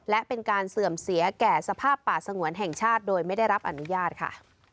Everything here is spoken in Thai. และเป็นการเสื่อมเสียแก่สภาพป่าสงวนแห่งชาติโดยไม่ได้รับอนุญาตค่ะ